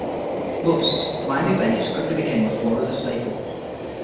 Thus, Miami bass quickly became a Florida staple.